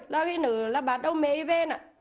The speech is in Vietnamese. là khi nữ là bà đâu mê về nạ